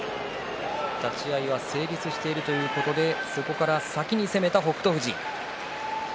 立ち合い成立しているということでそこから先に攻めた北勝富士。